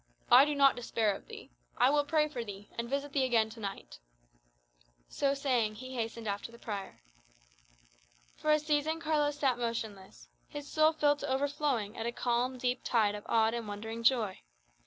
"I do not despair of thee. I will pray for thee, and visit thee again to night." So saying, he hastened after the prior. For a season Carlos sat motionless, his soul filled to overflowing with a calm, deep tide of awed and wondering joy.